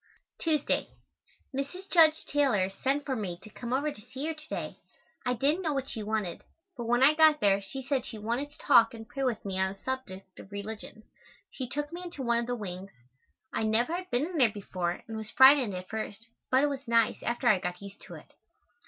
Tuesday. Mrs. Judge Taylor sent for me to come over to see her to day. I didn't know what she wanted, but when I got there she said she wanted to talk and pray with me on the subject of religion. She took me into one of the wings. I never had been in there before and was frightened at first, but it was nice after I got used to it.